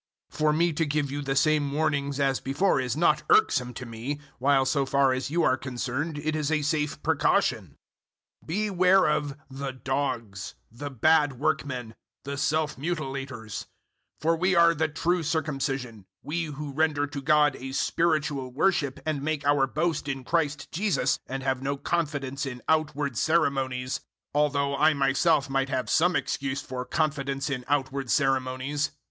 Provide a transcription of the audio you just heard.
For me to give you the same warnings as before is not irksome to me, while so far as you are concerned it is a safe precaution. 003:002 Beware of `the dogs,' the bad workmen, the self mutilators. 003:003 For we are the true circumcision we who render to God a spiritual worship and make our boast in Christ Jesus and have no confidence in outward ceremonies: 003:004 although I myself might have some excuse for confidence in outward ceremonies.